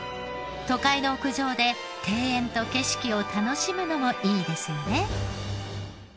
都会の屋上で庭園と景色を楽しむのもいいですよね。